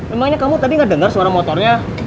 emangnya kamu tadi gak dengar suara motornya